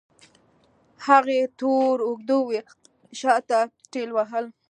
هغې تور اوږده وېښتان شاته ټېلوهل.